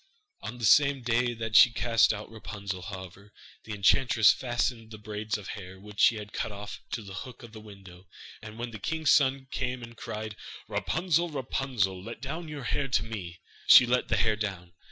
On the same day that she cast out Rapunzel, however, the enchantress fastened the braids of hair, which she had cut off, to the hook of the window, and when the king's son came and cried: 'Rapunzel, Rapunzel, Let down your hair to me.' she let the hair down.